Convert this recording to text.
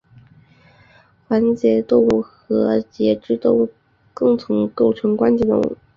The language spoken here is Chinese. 环节动物和节肢动物共同构成关节动物。